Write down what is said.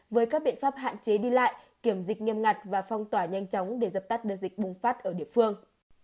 với các biện pháp hạn chế đi lại kiểm dịch nghiêm ngặt và phong tỏa nhanh chóng để dập tắt đợt dịch bùng phát ở địa phương